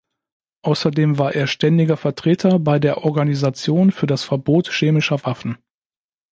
Außerdem war er Ständiger Vertreter bei der Organisation für das Verbot chemischer Waffen.